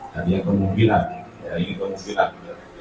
tapi yang kemungkinan ini kemungkinan